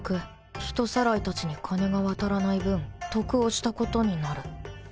人さらいたちに金が渡らない分得をしたことになる